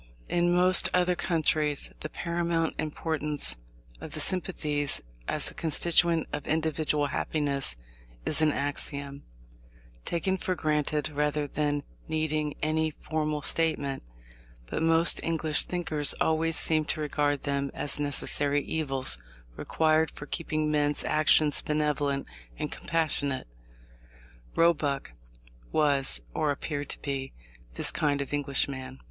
In most other countries the paramount importance of the sympathies as a constituent of individual happiness is an axiom, taken for granted rather than needing any formal statement; but most English thinkers always seem to regard them as necessary evils, required for keeping men's actions benevolent and compassionate. Roebuck was, or appeared to be, this kind of Englishman.